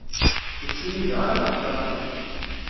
Ur ttinigeɣ ara ɣer Kanada.